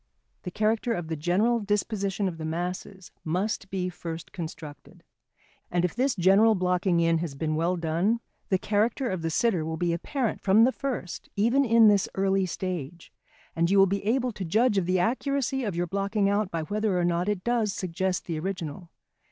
The character of the general disposition of the masses must be first constructed. And if this general blocking in has been well done, the character of the sitter will be apparent from the first even in this early stage; and you will be able to judge of the accuracy of your blocking out by whether or not it does suggest the original.